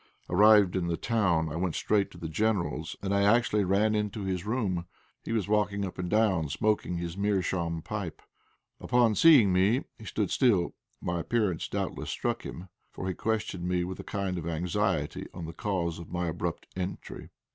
Arrived in the town I went straight to the General's, and I actually ran into his room. He was walking up and down, smoking his meerschaum pipe. Upon seeing me he stood still; my appearance doubtless struck him, for he questioned me with a kind of anxiety on the cause of my abrupt entry.